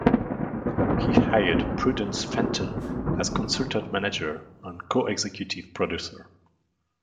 He hired Prudence Fenton as consultant manager and co-executive producer.